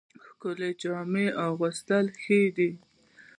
ښکلې جامې اغوستل ښه دي